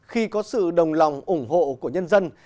khi có sự đồng lòng ủng hộ của nhân dân